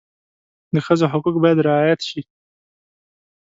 د ښځو حقوق باید رعایت شي.